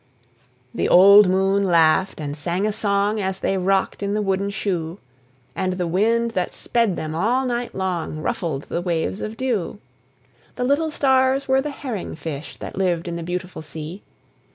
The old moon laughed and sang a song, As they rocked in the wooden shoe; And the wind that sped them all night long Ruffled the waves of dew; The little stars were the herring fish That lived in the beautiful sea.